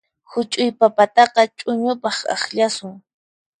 Huch'uy papataqa ch'uñupaq akllanchis.